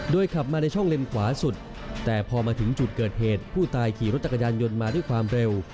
ขับมาในช่องเลนขวาสุดแต่พอมาถึงจุดเกิดเหตุผู้ตายขี่รถจักรยานยนต์มาด้วยความเร็ว